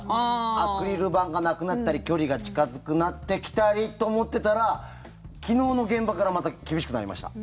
アクリル板がなくなったり距離が近くなってきたりと思っていたら昨日の現場からまた厳しくなりました。